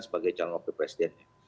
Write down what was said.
sebagai calon waktu presidennya